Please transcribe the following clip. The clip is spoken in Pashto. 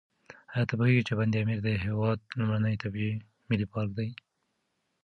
ایا ته پوهېږې چې بند امیر د هېواد لومړنی طبیعي ملي پارک دی؟